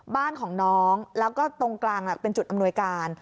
บ้านของน้องแล้วก็ตรงกลางเป็นจุดอำนวยการ